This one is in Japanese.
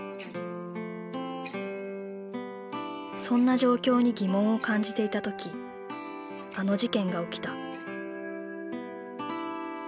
そんな状況に疑問を感じていた時あの事件が起きた。